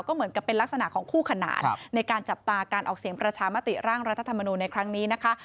ก็เหมือนกับเป็นลักษณะของคู่ขนานในการจับตาการออกเสียงประชามติร่างรัฐธรรมนูลในครั้งนี้นะคะ